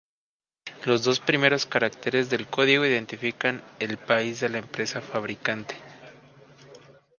Los dos primeros caracteres del código identifican el país de la empresa fabricante.